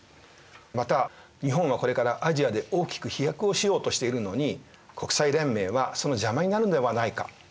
また日本はこれからアジアで大きく飛躍をしようとしているのに国際連盟はその邪魔になるのではないかという考え方もあったようです。